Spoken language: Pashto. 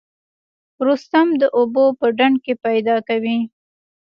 رستم د اوبو په ډنډ کې پیدا کوي.